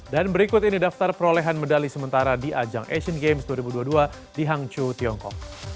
dan berikut ini daftar perolehan medali sementara di ajang asian games dua ribu dua puluh dua di hangzhou tiongkok